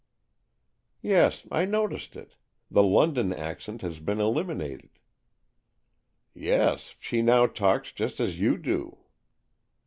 "Yes, I noticed it. The London accent has been eliminated." " Yes, she now talks just as you do."